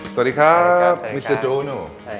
สวัสดีครับมิสเซอร์ดูนู